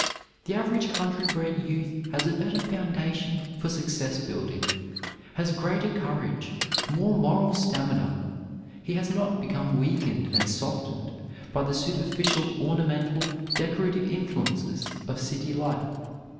The average country bred youth has a better foundation for success building, has greater courage, more moral stamina. He has not become weakened and softened by the superficial ornamental, decorative influences of city life.